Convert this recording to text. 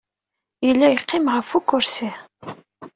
Yella yeqqim ɣef ukersi.